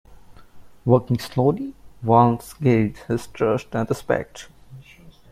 Working slowly, Walnes gained his trust and respect.